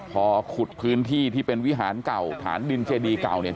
พอขุดพื้นที่ที่เป็นวิหารเก่าฐานดินเจดีเก่าเนี่ย